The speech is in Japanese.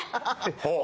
ほう！